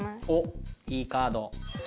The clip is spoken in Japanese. おっいいカード。